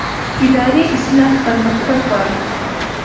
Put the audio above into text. اداري اصلاح پرمختګ غواړي